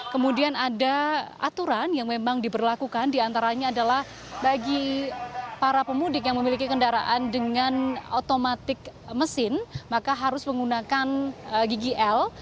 kemudian ada aturan yang memang diberlakukan diantaranya adalah bagi para pemudik yang memiliki kendaraan dengan otomatik mesin maka harus menggunakan gigi l